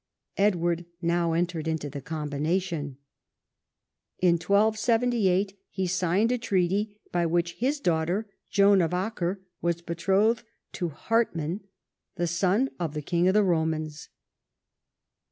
Edward now entered into the combination. In 1278 he signed a treaty by which his daughter, Joan of Acre, was betrothed to Hartmann, the son of the King of the Romans.